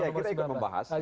ya kita ikut membahas